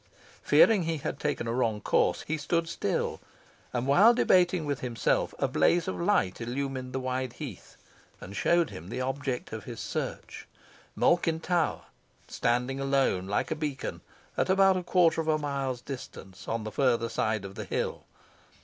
Fearing he had taken a wrong course, he stood still, and while debating with himself a blaze of light illumined the wide heath, and showed him the object of his search, Malkin Tower, standing alone, like a beacon, at about a quarter of a mile's distance, on the further side of the hill.